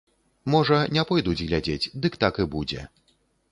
Можа, не пойдуць глядзець, дык так і будзе.